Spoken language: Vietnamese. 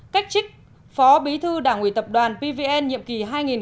cách chức phó bí thư đảng ủy tập đoàn pvn nhiệm kỳ hai nghìn một mươi hai nghìn một mươi năm